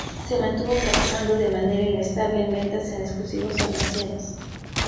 Se mantuvo trabajando de manera inestable en ventas en exclusivos almacenes.